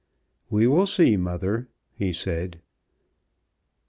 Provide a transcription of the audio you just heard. "We will see, mother," he said.